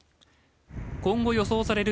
今後、予想される